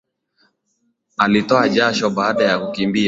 Alitoa jasho baada ya kukimbia